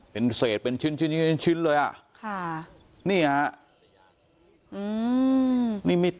เป็นเศษเป็นชิ้นเลยนี่ฮะ